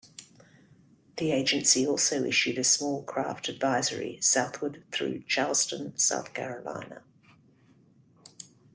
The agency also issued a small craft advisory southward through Charleston, South Carolina.